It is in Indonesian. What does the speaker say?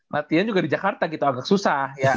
latihan juga di jakarta gitu agak susah